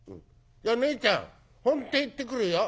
ねえちゃん本店行ってくるよ」。